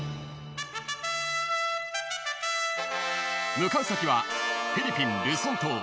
［向かう先はフィリピンルソン島］